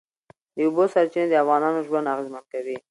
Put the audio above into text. د اوبو سرچینې د افغانانو ژوند اغېزمن کوي.